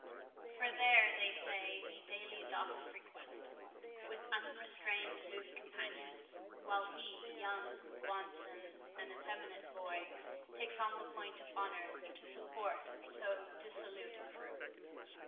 For there, they say, he daily doth frequent With unrestrained loose companions; While he, young, wanton, and effeminate boy, Takes on the point of honour, to support So dissolute a crew.